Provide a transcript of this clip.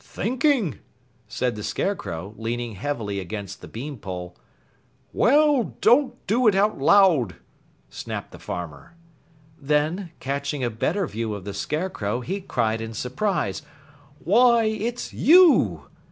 "Thinking!" said the Scarecrow, leaning heavily against the bean pole. "Well, don't do it out loud," snapped the farmer. Then, catching a better view of the Scarecrow, he cried in surprise: "Why, it's you!